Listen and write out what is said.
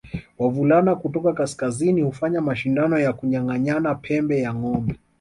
Wavulana kutoka kaskazini hufanya mashindano ya kunyanganyana pembe ya ngombe